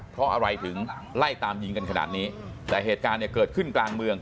เพราะอะไรถึงไล่ตามยิงกันขนาดนี้แต่เหตุการณ์เนี่ยเกิดขึ้นกลางเมือง